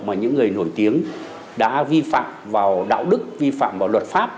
mà những người nổi tiếng đã vi phạm vào đạo đức vi phạm vào luật pháp